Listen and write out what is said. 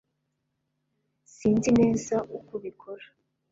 Sinzi neza uko ubikora